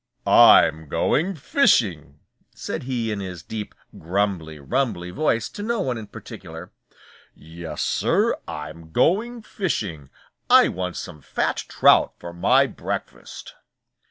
"I'm going fishing," said he in his deep grumbly rumbly voice to no one in particular. "Yes, Sir, I'm going fishing. I want some fat trout for my breakfast."